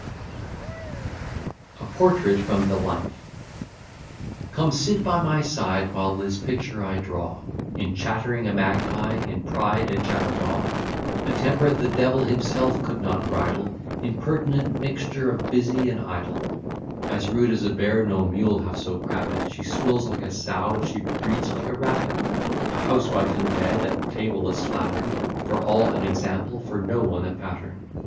B_.] A PORTRAIT FROM THE LIFE Come sit by my side, while this picture I draw: In chattering a magpie, in pride a jackdaw; A temper the devil himself could not bridle; Impertinent mixture of busy and idle; As rude as a bear, no mule half so crabbed; She swills like a sow, and she breeds like a rabbit; A housewife in bed, at table a slattern; For all an example, for no one a pattern.